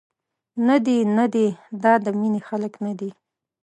ندي، ندي دا د مینې خلک ندي.